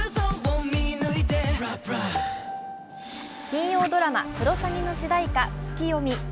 金曜ドラマ「クロサギ」の主題歌「ツキヨミ」。